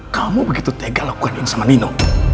kamu begitu tega lakukan ini sama nino